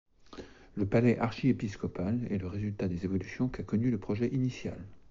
Le palais archiépiscopal est le résultat des évolutions qu'a connues le projet initial.